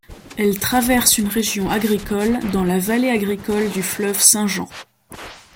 Elle traverse une région agricole, dans la vallée agricole du fleuve Saint-Jean.